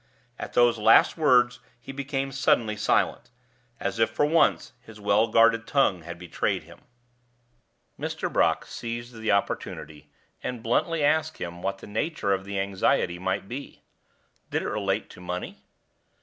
At those last words he became suddenly silent, as if for once his well guarded tongue had betrayed him. Mr. Brock seized the opportunity, and bluntly asked him what the nature of the anxiety might be. Did it relate to money?